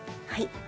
はい。